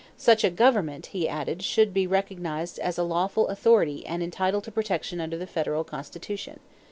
Such a government, he added, should be recognized as a lawful authority and entitled to protection under the federal Constitution.